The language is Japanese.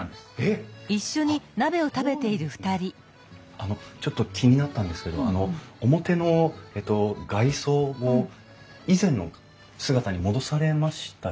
あのちょっと気になったんですけど表のえっと外装を以前の姿に戻されましたよね？